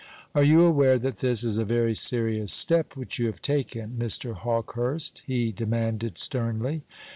"Are you aware that this is a very serious step which you have taken, Mr. Hawkehurst?" he demanded, sternly.